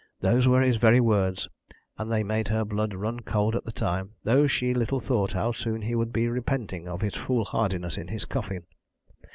Those were his very words, and they made her blood run cold at the time, though she little thought how soon he would be repenting of his foolhardiness in his coffin.